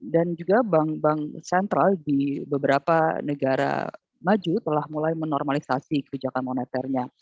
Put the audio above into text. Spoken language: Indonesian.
dan juga bank bank sentral di beberapa negara maju telah mulai menormalisasi kebijakan moneternya